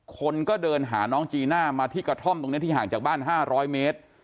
คนก็เดินหาน้องจีน่ามาที่กระท่อมตรงนี้ที่ห่างจากบ้าน๕๐๐เมตร